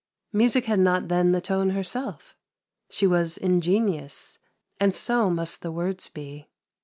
Music had not then the tone herself; she was ingenious, and so must the words be.